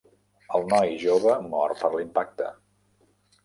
El noi jove mor per l'impacte.